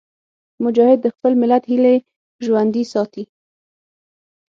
مجاهد د خپل ملت هیلې ژوندي ساتي.